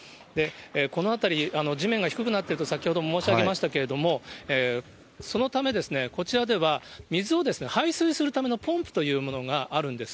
この辺り、地面が低くなっていると、先ほども申し上げましたけれども、そのため、こちらでは、水を排水するためのポンプというものがあるんです。